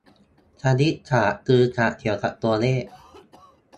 คณิตศาสตร์คือศาสตร์เกี่ยวกับตัวเลข